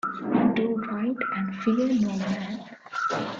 Do right and fear no man.